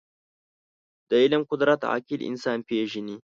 • د علم قدر، عاقل انسان پېژني.